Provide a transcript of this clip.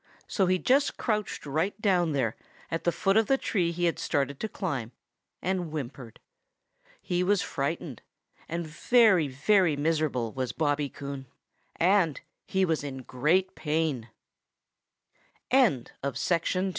So he just crouched right down there at the foot of the tree he had started to climb, and whimpered. He was frightened and very, very miserable, was Bobby Coon, and he was in great pa